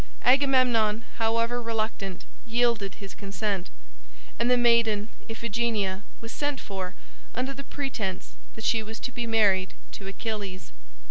Agamemnon, however reluctant, yielded his consent, and the maiden Iphigenia was sent for under the pretence that she was to be married to Achilles.